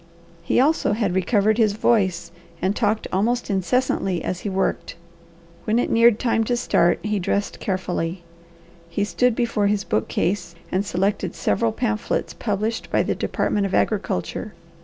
He also had recovered his voice, and talked almost incessantly as he worked. When it neared time to start he dressed carefully. He stood before his bookcase and selected several pamphlets published by the Department of Agriculture.